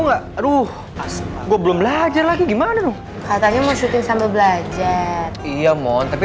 enggak aduh gue belum belajar lagi gimana dong katanya mau syuting sambil belajar iya mon tapi